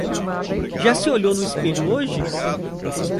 Já se olhou no espelho hoje?